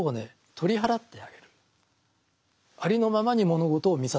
取り払ってあげる。